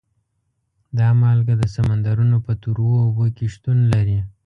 دا مالګه د سمندرونو په تروو اوبو کې شتون لري.